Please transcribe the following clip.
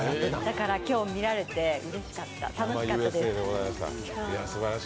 だから今日、見られてうれしかった、楽しかったです。